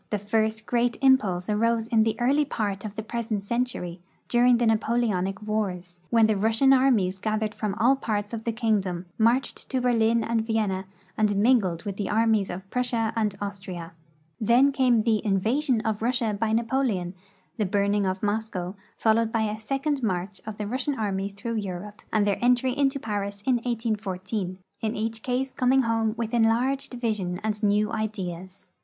Tlie first great impulse arose in the early part of the iH'esent century, during the Napoleonic wars, when the Rus sian armies gathered from all parts of the kingdom, marched to Berlin and Vienna, and mingled with the armies of Prussia and Austria. Then came the invasion of Russia by Napoleon, the burning of Moscow, followed l)y the second march of the Rus sian armies through Europe, and their entry into Paris in 1814, in each case coming home with enlarged vision and new ideas.